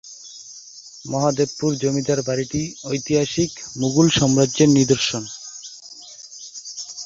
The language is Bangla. মহাদেবপুর জমিদার বাড়িটি ঐতিহাসিক মুঘল সাম্রাজ্যের নিদর্শন।